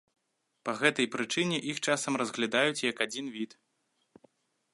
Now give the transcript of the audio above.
Па гэтай прычыне іх часам разглядаюць як адзін від.